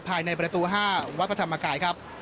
ภายในประตู๕วัดพระธรรมกายครับ